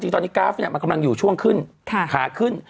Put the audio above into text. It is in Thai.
ตอนนี้กราฟมันกำลังอยู่ช่วงขึ้นขาขึ้น